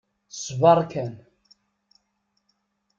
Sber kan.